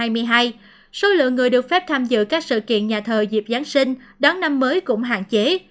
số lượng người được phép tham dự các sự kiện nhà thờ dịp giáng sinh đón năm mới cũng hạn chế